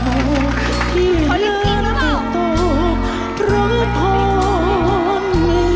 โดดเตาโมที่เหลือเป็นโตของพรพร